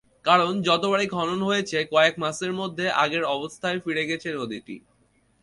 কারণ, যতবারই খনন হয়েছে, কয়েক মাসের মধ্যে আগের অবস্থায় ফিরে গেছে নদটি।